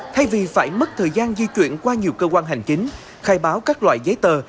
thay vì phải mất thời gian di chuyển qua nhiều cơ quan hành chính khai báo các loại giấy tờ